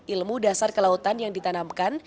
ilmu dasar kelautan yang ditanamkan